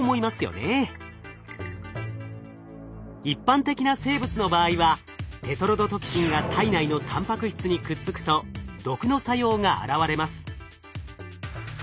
一般的な生物の場合はテトロドトキシンが体内のたんぱく質にくっつくと毒の作用が現れます。